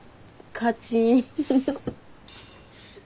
勝ち。